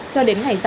cho đến ngày gian